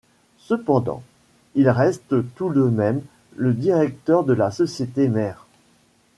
Cependant, il reste tout de même le directeur de la société mère.